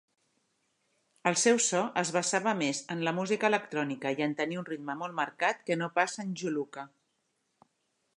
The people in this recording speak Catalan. El seu so es basava més en la música electrònica i en tenir un ritme molt marcat, que no pas en Juluka.